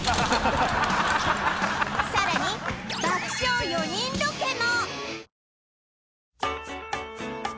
さらに爆笑４人ロケも！